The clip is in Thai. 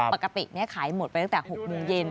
ปกติขายหมดไปตั้งแต่๖โมงเย็น